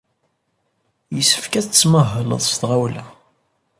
Yessefk ad tettmahaled s tɣawla.